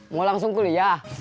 mau langsung kuliah